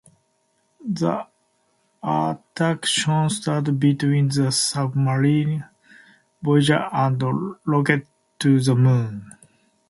The attraction stood between the Submarine Voyage and Rocket to the Moon.